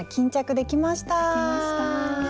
できました。